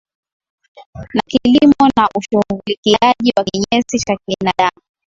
na kilimo na ushughulikiaji wa kinyesi cha binadamu